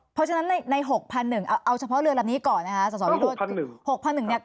เพราะฉะนั้นใน๖๑๐๐เอาเฉพาะเรือลำนี้ก่อนนะครับ